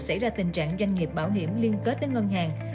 xảy ra tình trạng doanh nghiệp bảo hiểm liên kết với ngân hàng